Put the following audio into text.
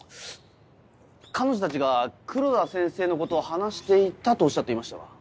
彼女たちが黒田先生のことを話していたとおっしゃっていましたが？